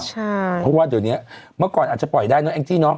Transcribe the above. เพราะว่าเดี๋ยวนี้เมื่อก่อนอาจจะปล่อยได้เนอแองจี้เนาะ